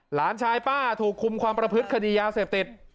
หลานชายป้าถูกคุมความประพฤติคดียาเสพติด